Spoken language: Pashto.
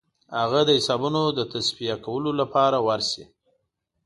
هغه د حسابونو د تصفیه کولو لپاره ورسي.